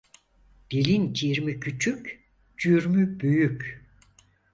Dilin cirmi küçük, cürmü büyük.